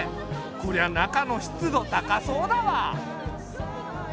こりゃ中の湿度高そうだわ。